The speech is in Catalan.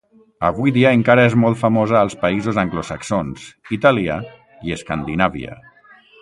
Avui dia encara és molt famosa als països anglosaxons, Itàlia i Escandinàvia.